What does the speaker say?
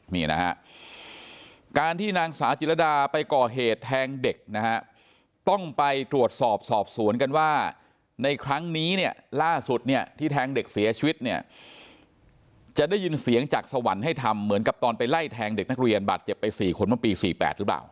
นี่นะฮะการที่นางสาวจิรดาไปก่อเหตุแทงเด็กนะฮะต้องไปตรวจสอบสอบสวนกันว่าในครั้งนี้เนี่ยล่าสุดเนี่ยที่แทงเด็กเสียชีวิตเนี่ยจะได้ยินเสียงจากสวรรค์ให้ทำเหมือนกับตอนไปไล่แทงเด็กนักเรียนบาดเจ็บไป๔คนเมื่อปี๔๘หรือเปล่า